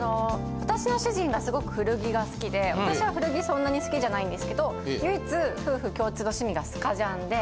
私の主人がすごく古着が好きで私は古着そんなに好きじゃないんですけど唯一夫婦共通の趣味がスカジャンで。